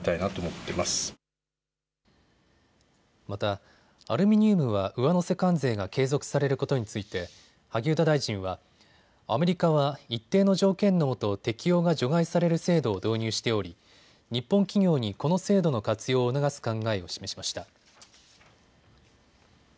また、アルミニウムは上乗せ関税が継続されることについて萩生田大臣はアメリカは一定の条件のもと、適用が除外される制度を導入しており日本企業にこの制度の活用を促す考えを示しました。